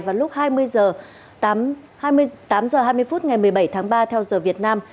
vào lúc hai mươi h hai mươi phút ngày một mươi bảy tháng ba theo giờ việt nam